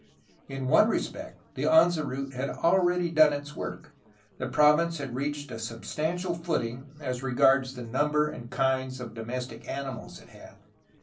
In one respect the Anza route had already done its work; the prov nee had reached a substantial footing as regards the number and kinds of domestic animals it had.